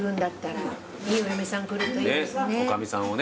おかみさんをね。